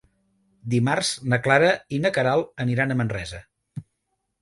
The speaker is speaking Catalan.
Dimarts na Clara i na Queralt aniran a Manresa.